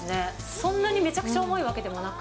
そんなにめちゃくちゃ重いわけでもなく。